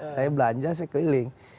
saya belanja saya keliling